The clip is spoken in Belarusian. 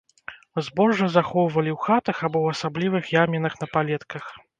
Збожжа захоўвалі ў хатах або ў асаблівых ямінах на палетках.